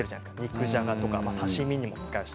肉じゃがや刺身にも使うし。